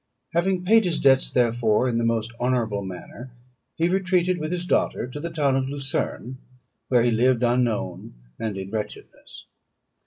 Having paid his debts, therefore, in the most honourable manner, he retreated with his daughter to the town of Lucerne, where he lived unknown and in wretchedness.